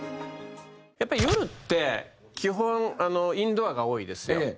やっぱり夜って基本インドアが多いんですよ。